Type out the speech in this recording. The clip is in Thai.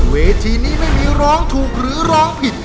เวทีนี้ไม่มีร้องถูกหรือร้องผิด